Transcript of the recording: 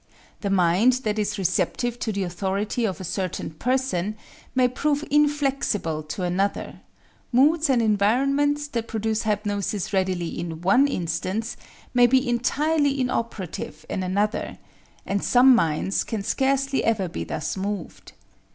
The mind that is receptive to the authority of a certain person may prove inflexible to another; moods and environments that produce hypnosis readily in one instance may be entirely inoperative in another; and some minds can scarcely ever be thus moved.